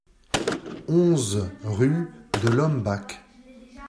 onze rue de l'Ohmbach